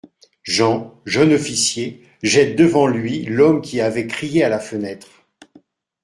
Jean, jeune officier, jette devant lui l’homme qui avait crié à la fenêtre.